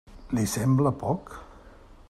Li sembla poc?